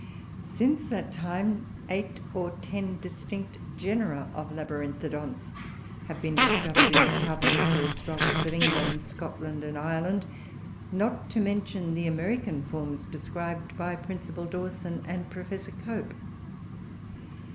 Since that time eight or ten distinct genera of Labyrinthodonts have been discovered in the Carboniferous rocks of England, Scotland, and Ireland, not to mention the American forms described by Principal Dawson and Professor Cope.